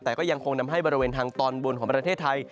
แต่ก็ยังคงนำให้บริเวณทางตอนบนของประเทศไทย